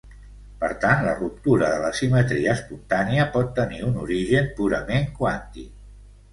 Per tant, la ruptura de la simetria espontània pot tenir un origen purament quàntic.